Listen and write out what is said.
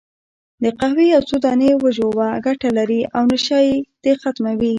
د قهوې یو څو دانې وژووه، ګټه لري، او نشه دې ختمه وي.